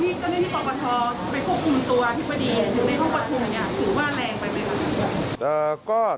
บุคคลไปควบคุมตัวอย่างนี้ถือว่ารายการแรง